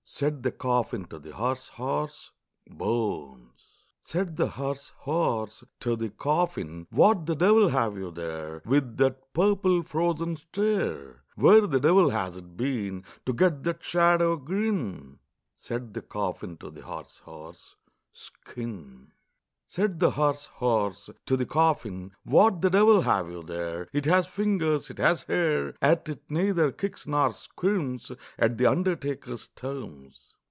Said the coffin to the hearse horse, "Bones!" Said the hearse horse to the coffin, "What the devil have you there, With that purple frozen stare? Where the devil has it been To get that shadow grin?" Said the coffin to the hearse horse, "Skin!" Said the hearse horse to the coffin, "What the devil have you there? It has fingers, it has hair; Yet it neither kicks nor squirms At the undertaker's terms."